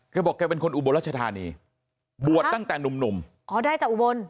บอกแกเป็นคนอุบลรัชธานีบวชตั้งแต่หนุ่มหนุ่มอ๋อได้จากอุบล